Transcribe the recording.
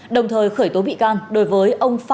đồng thời khởi tố bị can đối với ông